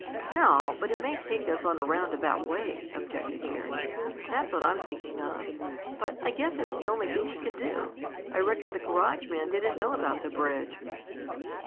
"No, but it may take us on a roundabout way," objected Jerry. "That's what I'm thinking of. But I guess it's the only thing we can do. I reckon the garage man didn't know about the bridge."